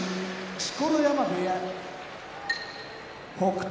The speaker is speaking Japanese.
錣山部屋北勝